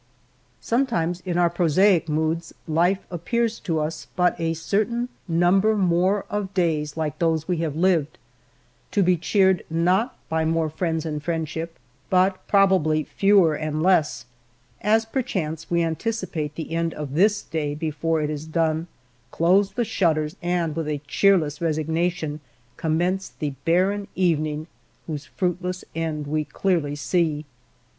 Sometimes, in our prosaic moods, life appears Digitized by Google WINTER. 886 to us but a certain number more of days like those we have lived, to be cheered not by more friends and friendship, but probably fewer and less, as perchance we anticipate the end of this day before it is done, close the shutters, and, with a cheerless resignation, commence the bar ren evening whose fruitless end we clearly see.